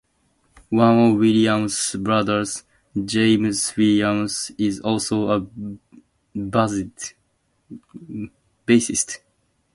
One of Williams' brothers, James Williams, is also a bassist.